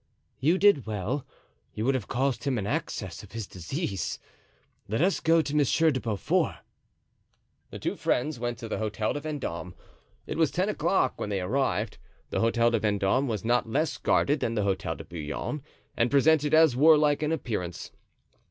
"You did well; you would have caused him an access of his disease. Let us go to Monsieur de Beaufort." The two friends went to the Hotel de Vendome. It was ten o'clock when they arrived. The Hotel de Vendome was not less guarded than the Hotel de Bouillon, and presented as warlike an appearance.